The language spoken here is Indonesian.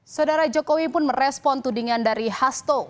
saudara jokowi pun merespon tudingan dari hasto